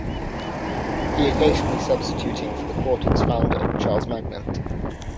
He occasionally substituting for the quartet's founder Charles Magnante.